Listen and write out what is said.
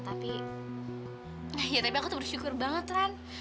tapi ya aku tuh bersyukur banget ran